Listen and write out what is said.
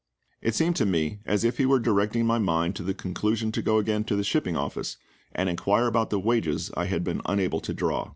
It seemed to me as if He were directing my mind to the conclusion to go again to the shipping office, and inquire about the wages I had been unable to draw.